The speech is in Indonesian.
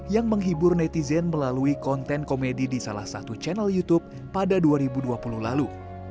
yang menghibur netizen melalui konten komedi di salah satu channel youtube pada dua ribu dua puluh lalu